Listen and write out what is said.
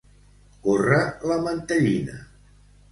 Córrer la mantellina.